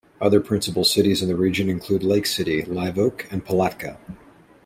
Other principal cities in the region include Lake City, Live Oak, and Palatka.